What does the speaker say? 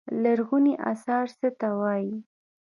لرغوني اثار څه ته وايي.